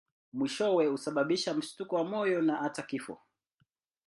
Mwishowe husababisha mshtuko wa moyo na hata kifo.